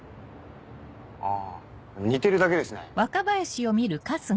あ似てるだけですね。